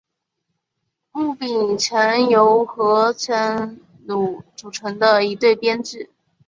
木皿泉由和泉努组成的一对编剧。